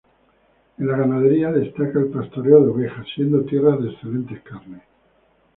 En la ganadería, destaca el pastoreo de ovejas, siendo tierra de excelentes carnes.